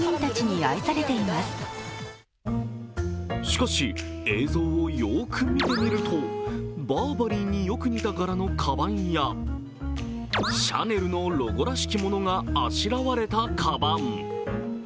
しかし、映像をよく見てみるとバーバリーによく似た柄のかばん、シャネルのロゴらしきものがあしらわれたかばん。